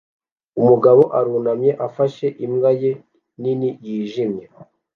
Umugabo arunamye afashe imbwa ye nini yijimye